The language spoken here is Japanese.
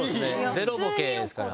ゼロボケですから。